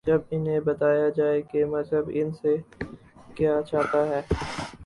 جب انہیں بتایا جائے کہ مذہب ان سے کیا چاہتا ہے۔